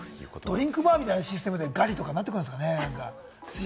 ドリンクバーみたいなシステムで、ガリみたいなことになっていくんですかね？